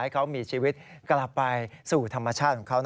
เขามีชีวิตกลับไปสู่ธรรมชาติของเขา